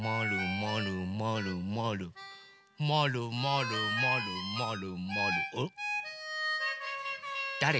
まるまるまるまるまるまるまる。